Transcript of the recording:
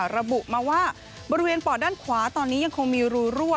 ระบุมาว่าบริเวณปอดด้านขวาตอนนี้ยังคงมีรูรั่ว